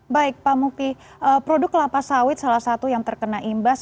baik pak muki produk kelapa sawit salah satu yang terkena imbas